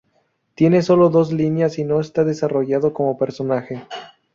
Tiene solo dos líneas y no está desarrollado como personaje.